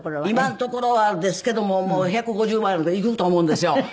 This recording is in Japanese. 今のところはですけども１５０ぐらいまでいくと思うんですよ。